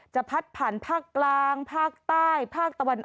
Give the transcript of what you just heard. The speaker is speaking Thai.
จะพัดผ่านภาคกลางภาคใต้ภาคตะวัน